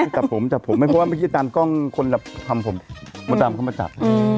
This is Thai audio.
แต่ผมจับผมไม่เพราะว่าเมื่อกี้ตามกล้องคนละคำผมมดดำเข้ามาจับ